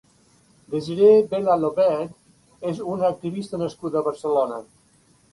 Desirée Bela-Lobedde és una activista nascuda a Barcelona.